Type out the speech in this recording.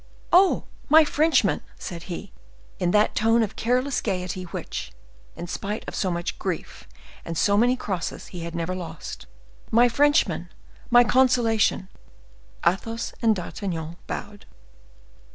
"Oh! my Frenchmen!" said he, in that tone of careless gayety which, in spite of so much grief and so many crosses, he had never lost. "My Frenchmen! my consolation!" Athos and D'Artagnan bowed.